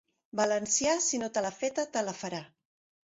Valencià, si no te l'ha feta, te la farà.